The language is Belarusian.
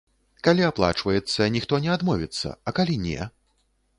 Калі аплачваецца, ніхто не адмовіцца, а калі не?